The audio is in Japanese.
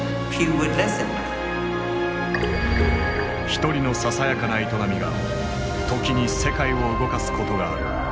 一人のささやかな営みが時に世界を動かすことがある。